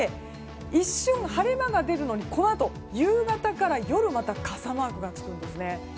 一瞬、晴れ間が出るのにこのあと夕方から夜また傘マークがつくんです。